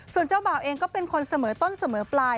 ส่วนเจ้าบ่าวเองก็เป็นคนเสมอต้นเสมอปลาย